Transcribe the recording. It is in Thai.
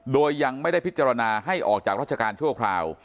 โดยยังไม่ได้พิจารณาให้ออกจากราชการชั่วคราว